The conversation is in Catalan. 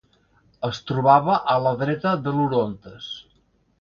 Es trobava a la dreta de l'Orontes.